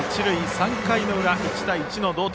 ３回の裏、１対１の同点。